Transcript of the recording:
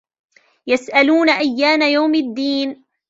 يسألون أيان يوم الدين